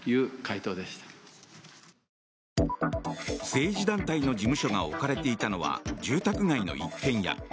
政治団体の事務所が置かれていたのは住宅街の一軒家。